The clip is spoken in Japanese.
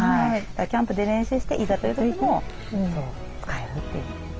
キャンプで練習していざという時も使えるという。